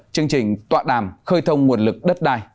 chương trình tọa đàm khơi thông nguồn lực đất đai